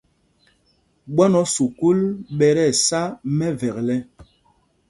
Ɓwán o sukûl ɓɛ tí ɛsá mɛvekle.